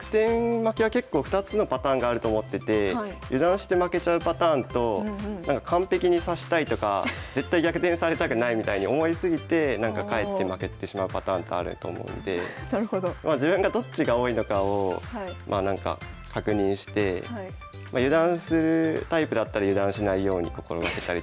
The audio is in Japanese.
負けは結構２つのパターンがあると思ってて油断して負けちゃうパターンとなんか完璧に指したいとか絶対逆転されたくないみたいに思い過ぎてかえって負けてしまうパターンがあると思うので自分がどっちが多いのかを確認して油断するタイプだったら油断しないように心がけたりとか。